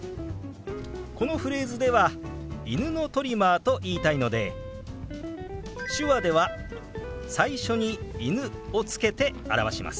このフレーズでは「犬のトリマー」と言いたいので手話では最初に「犬」をつけて表します。